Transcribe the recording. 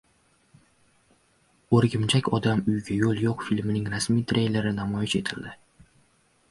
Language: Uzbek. “O‘rgimchak-odam: uyga yo‘l yo‘q” filmining rasmiy treyleri namoyish etildi